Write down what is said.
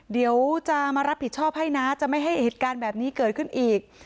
เดี๋ยวจะมารับผิดชอบให้นะจะไม่ให้เหตุการณ์แบบนี้เกิดขึ้นอีก